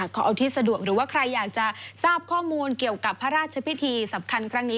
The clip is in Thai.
ขอเอาที่สะดวกหรือว่าใครอยากจะทราบข้อมูลเกี่ยวกับพระราชพิธีสำคัญครั้งนี้